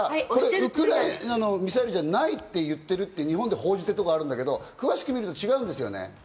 ウクライナのミサイルじゃないと言ってると日本で報じてるところがあるけど詳しく見ると違うんですね。